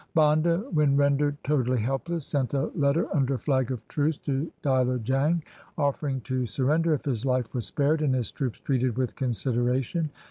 Banda, when rendered totally helpless, sent a letter under flag of truce to Diler Jang offering to sur render if his life were spared, and his troops treated with consideration.